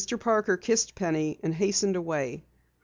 Parker kissed Penny and hastened away.